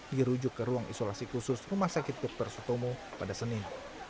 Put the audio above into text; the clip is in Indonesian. dirujuk ke ruang isolasi khusus rumah sakit dr sutomo pada senin